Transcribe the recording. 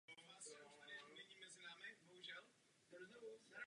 Je oblíbenou kořistí sportovních rybářů díky své pověsti silné a agresivní ryby.